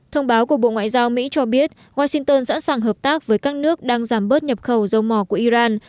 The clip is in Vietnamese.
thông báo của bộ ngoại giao mỹ cho biết washington sẵn sàng hợp tác với các nước đang giảm bớt nhập khẩu dầu mỏ của iran